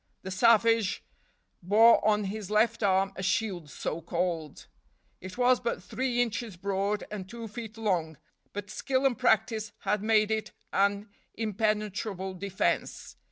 The savage bore on his left arm a shield, so called; it was but three inches broad and two feet long, but skill and practice had made it an impenetrable defense.